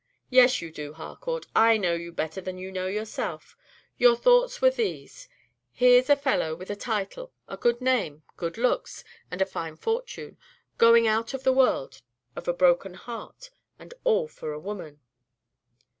"Yes, you do, Harcourt; I know you better than you know yourself. Your thoughts were these: Here's a fellow with a title, a good name, good looks, and a fine fortune, going out of the world of a broken heart, and all for a woman!"